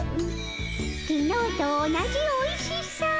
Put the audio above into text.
きのうと同じおいしさ。